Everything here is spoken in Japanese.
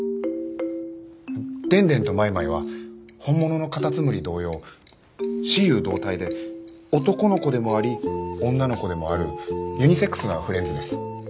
でんでんとマイマイは本物のかたつむり同様雌雄同体で男の子でもあり女の子でもあるユニセックスなフレンズです。